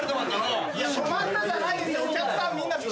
お客さん